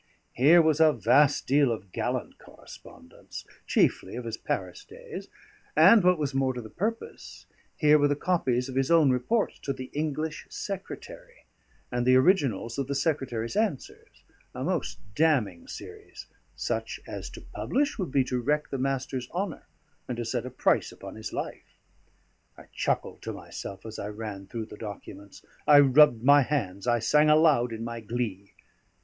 Here was a vast deal of gallant correspondence, chiefly of his Paris days; and, what was more to the purpose, here were the copies of his own reports to the English Secretary, and the originals of the Secretary's answers: a most damning series: such as to publish would be to wreck the Master's honour and to set a price upon his life. I chuckled to myself as I ran through the documents; I rubbed my hands, I sang aloud in my glee.